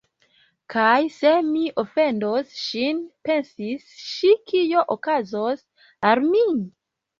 "Kaj se mi ofendos ŝin," pensis ŝi, "kio okazos al mi? »